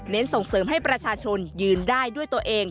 ส่งเสริมให้ประชาชนยืนได้ด้วยตัวเอง